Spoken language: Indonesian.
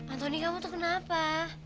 anthony kamu tuh kenapa